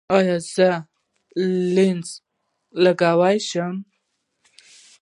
ایا زه لینز لګولی شم؟